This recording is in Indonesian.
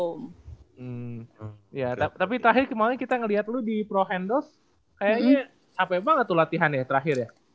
hmm ya tapi terakhir kemarin kita ngeliat lu di pro handles kayaknya capek banget tuh latihan ya terakhir ya